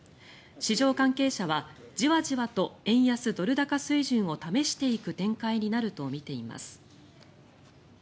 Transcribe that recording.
市場関係者はじわじわと円安・ドル高水準を試していく展開になると見ています。